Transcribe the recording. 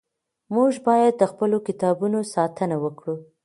موږ باید د خپلو کتابونو ساتنه وکړو.